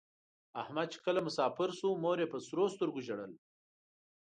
احمد چې کله مسافر شو مور یې په سرو سترگو ژړل.